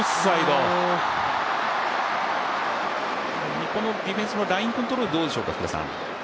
日本のディフェンスのラインコントロール、どうでしょうか。